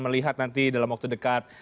melihat nanti dalam waktu dekat